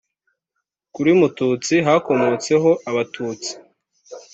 Kuri Mututsi hakomotseho Abatutsi